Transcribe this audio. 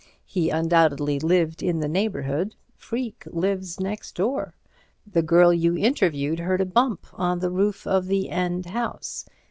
He undoubtedly lived in the neighbourhood. Freke lives next door. The girl you interviewed heard a bump on the roof of the end house.